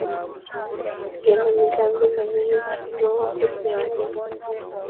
n Igenamigambi na Minisitiri w Abakozi ba leta